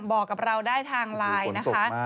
บอกกับเราได้ทางไลน์นะคะ